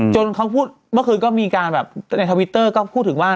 จนเขาพูดเมื่อคืนก็มีการแบบในทวิตเตอร์ก็พูดถึงว่า